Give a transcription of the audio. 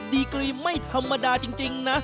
ดีกรีไม่ธรรมดาจริงนะ